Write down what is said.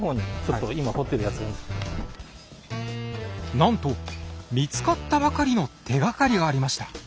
なんと見つかったばかりの手がかりがありました。